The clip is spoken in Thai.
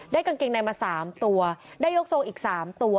ได้กางเกงในมาสามตัวได้ยกโทรงอีกสามตัว